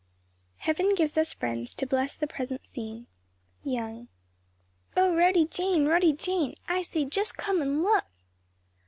"Heaven gives us friends to bless the present scene." YOUNG. "OH, Rhody Jane, Rhody Jane, I say just come an' look!"